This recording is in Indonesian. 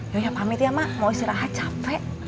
ya pamit ya mak mau istirahat capek